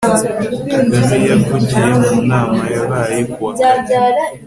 kagame yavugiye mu nama yabaye kuwakane